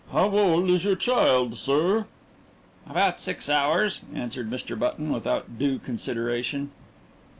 "How old is your child, sir?" "About six hours," answered Mr. Button, without due consideration.